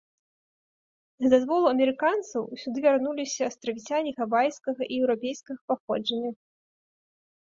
З дазволу амерыканцаў сюды вярнуліся астравіцяне гавайскага і еўрапейскага паходжання.